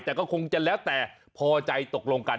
แต่ก็คงจะแล้วแต่พอใจตกลงกัน